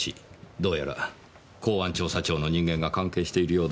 どうやら公安調査庁の人間が関係しているようですねぇ。